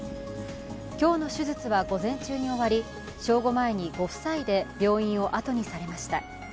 今日の手術は午前中に終わり、正午前にご夫妻で病院をあとにされました。